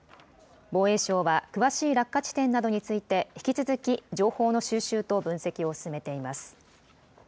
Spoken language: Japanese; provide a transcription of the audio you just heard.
防衛省は詳しい落下地点などについて引き続き情報の収集と分析を進めています。